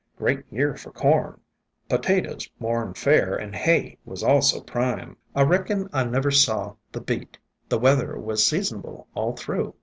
"Great year for corn. Potatoes more 'n fair, an' hay was also prime. I reckon I never saw the beat. The weather was seasonable all through.